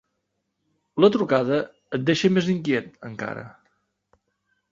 La trucada el deixa més inquiet, encara.